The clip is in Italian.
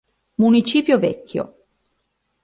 Municipio Vecchio